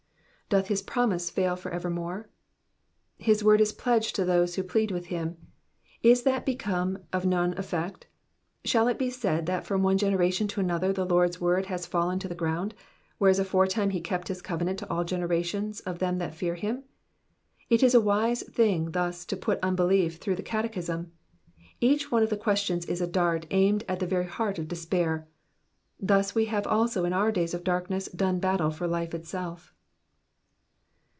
''Doth his promise fail for evermore T^ His word is pledged to those who plead with him ; is that become of none effect ? Shall it be said that from (me generation to another the Lord^s word has fallen to the ground ; whereas aforetim« he kept his covenant to all generations of them tliat fear him ? It ii Digitized by VjOOQIC 414 EXPOSITIONS OF THE P8ALHS. a wise thing thus to put unbelief through the catechism. Each one of the questions is a dart aimed at the very heart of despair. Thus have we also in our days of darkness done battle for life itself.